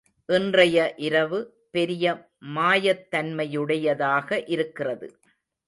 இன்றைய இரவு, பெரிய மாயத்தன்மையுடையதாக இருக்கிறது.